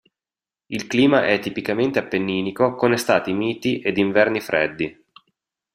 Il clima è tipicamente appenninico con estati miti ed inverni freddi.